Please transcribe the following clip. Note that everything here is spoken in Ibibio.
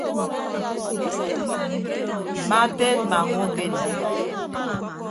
Mma teedma ñwokedi.